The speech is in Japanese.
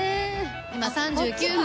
今３９分。